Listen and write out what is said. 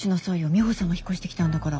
ミホさんが引っ越してきたんだから。